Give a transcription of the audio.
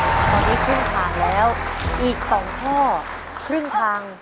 ตอนนี้ครึ่งทางแล้วอีก๒ข้อครึ่งทาง